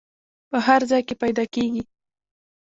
په هر ځای کې پیدا کیږي.